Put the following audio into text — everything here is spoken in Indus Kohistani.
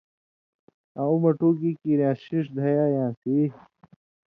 ”آں او مٹُو، گی کیریان٘س ݜِݜ دھیایان٘س ای“